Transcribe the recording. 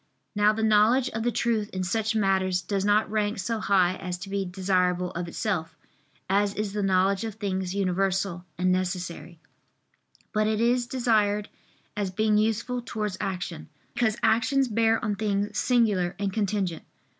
Now the knowledge of the truth in such matters does not rank so high as to be desirable of itself, as is the knowledge of things universal and necessary; but it is desired as being useful towards action, because actions bear on things singular and contingent.